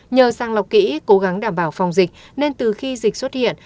nhờ sang lọc kỹ cố gắng đảm bảo phòng dịch nên từ khi dịch xuất hiện